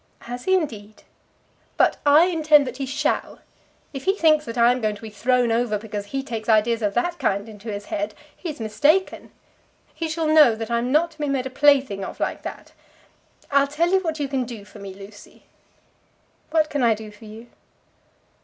"Has he indeed?" "But I intend that he shall. If he thinks that I am going to be thrown over because he takes ideas of that kind into his head, he's mistaken. He shall know that I'm not to be made a plaything of like that. I'll tell you what you can do for me, Lucy." "What can I do for you?"